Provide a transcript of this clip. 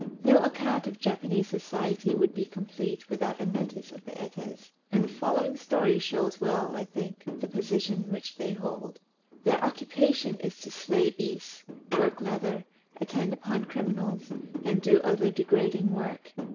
No account of Japanese society would be complete without a notice of the Etas; and the following story shows well, I think, the position which they hold. Their occupation is to slay beasts, work leather, attend upon criminals, and do other degrading work.